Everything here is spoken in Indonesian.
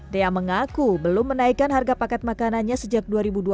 dea mengaku belum menaikkan harga paket makanannya sejak dua ribu dua puluh